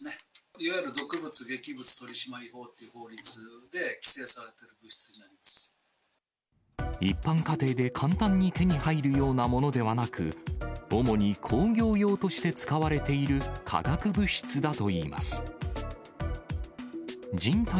いわゆる毒物、劇物取締法という法律で規制されている物質になり一般家庭で簡単に手に入るようなものではなく、主に工業用として使われている化学物質だといいます。